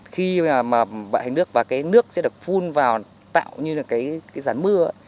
khi mà bại hình nước và cái nước sẽ được phun vào tạo như là cái rắn mưa